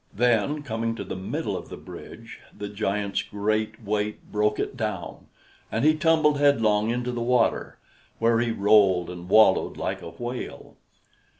Then, coming to the middle of the bridge, the giant's great weight broke it down, and he tumbled headlong into the water, where he rolled and wallowed like a whale.